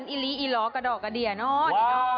อีลีอีหลอกระดอกกระเดียเนอะ